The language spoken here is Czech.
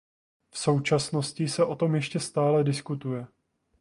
V současnosti se o tom ještě stále diskutuje.